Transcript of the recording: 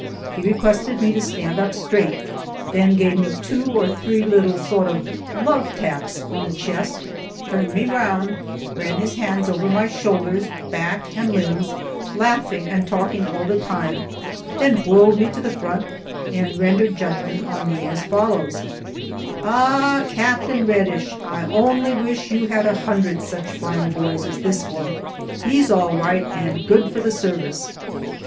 He requested me to stand up straight, then gave me two or three little sort of "love taps" on the chest, turned me round, ran his hands over my shoulders, back, and limbs, laughing and talking all the time, then whirled me to the front, and rendered judgment on me as follows: "Ah, Capt. Reddish! I only wish you had a hundred such fine boys as this one! He's all right, and good for the service."